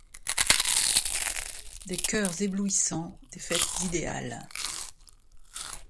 Des choeurs éblouissants, des fêtes idéales